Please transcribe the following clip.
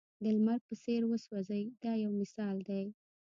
د لمر په څېر وسوځئ دا یو مثال دی.